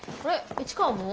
市川も。